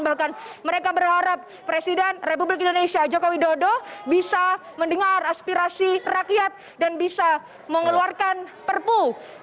bahkan mereka berharap presiden republik indonesia joko widodo bisa mendengar aspirasi rakyat dan bisa mengeluarkan perpu